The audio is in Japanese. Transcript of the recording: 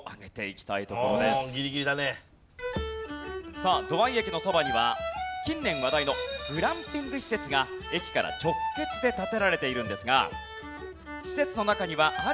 さあ土合駅のそばには近年話題のグランピング施設が駅から直結で建てられているんですが。